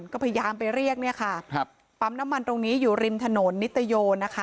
ก็พยายามไปเรียกเนี่ยค่ะครับปั๊มน้ำมันตรงนี้อยู่ริมถนนนิตโยนะคะ